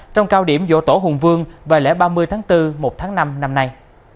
trong cao điểm vỗ tổ hùng vương vào lễ ba mươi tháng bốn một tháng năm năm nay